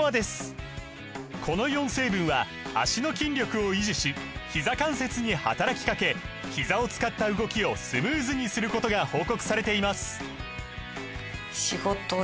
この４成分は脚の筋力を維持しひざ関節に働きかけひざを使った動きをスムーズにすることが報告されています